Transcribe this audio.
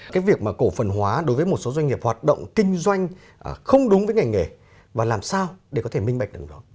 cái việc mà cổ phần hóa đối với một số doanh nghiệp hoạt động kinh doanh không đúng với ngành nghề và làm sao để có thể minh bạch được đó